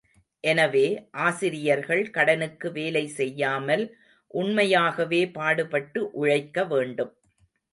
எனவே, ஆசிரியர்கள் கடனுக்கு வேலை செய்யாமல் உண்மையாகவே பாடுபட்டு உழைக்க வேண்டும்.